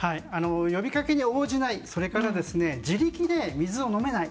呼びかけに応じないそれから自力で水を飲めない。